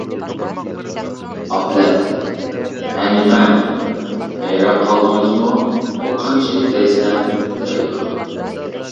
ئابلەت:-ھە، نېمە؟ ھەيران قالدىڭىزمۇ ئۇ قانچىلىك دەيسەن دەيدۇ.